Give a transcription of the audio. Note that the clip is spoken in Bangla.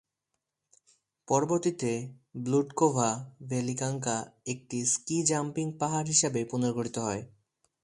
পরবর্তীতে ব্লুডকোভা ভেলিকানকা একটি স্কি জাম্পিং পাহাড় হিসাবে পুনর্গঠিত হয়।